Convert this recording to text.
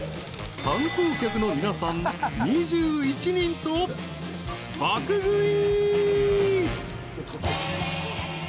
［観光客の皆さん２１人と爆食い］